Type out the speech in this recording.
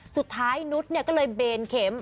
สุดท้ายนุษย์ก็เลยเบนเข็ม